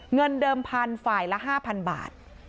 เงินเดิมพันธุ์ฝ่ายละ๕๐๐บาท